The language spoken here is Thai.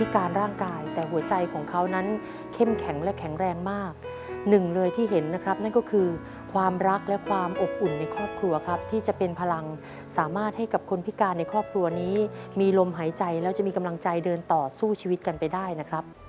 คนพิการในครอบครัวนี้มีลมหายใจแล้วจะมีกำลังใจเดินต่อสู้ชีวิตกันไปได้นะครับ